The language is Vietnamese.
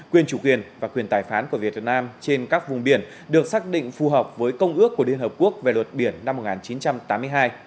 quyền chủ quyền và quyền tài phán của việt nam trên các vùng biển được xác định phù hợp với công ước của liên hợp quốc về luật biển năm một nghìn chín trăm tám mươi hai